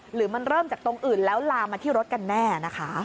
หรือมันเริ่มจากตรงอื่นแล้วลามมาที่รถกันแน่นะคะ